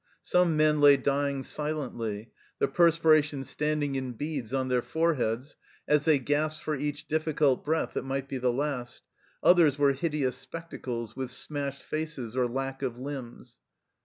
Some men lay dying silently, the perspiration standing in beads on their foreheads as they gasped for each difficult breath that might be the last ; others were hideous spectacles, with smashed faces or lack of limbs.